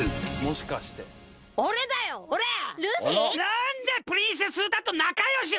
「何でプリンセスウタと仲良し」